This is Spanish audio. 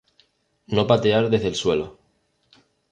No patear desde el suelo.